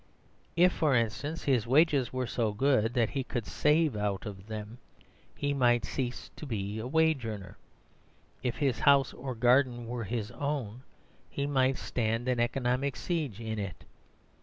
If, for instance, his wages were so good that he could save out of them, he might cease to be a wage earner. If his house or garden were his own, he might stand an economic siege in it.